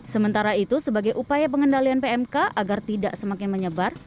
sementara itu sebagai upaya pengendalian pmk agar tidak semakin menyebar